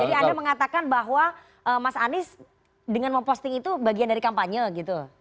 jadi anda mengatakan bahwa mas anies dengan memposting itu bagian dari kampanye gitu